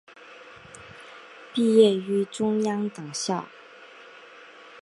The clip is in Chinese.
毕业于中央党校。